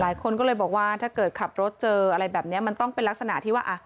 หลายคนก็เลยบอกว่าถ้าเกิดขับรถเจออะไรแบบนี้มันต้องเป็นลักษณะที่ว่าอ่ะ